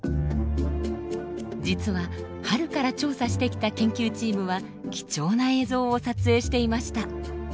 実は春から調査してきた研究チームは貴重な映像を撮影していました。